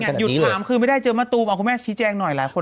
หยุดถามคือไม่ได้เจอมะตูมเอาคุณแม่ชี้แจงหน่อยหลายคน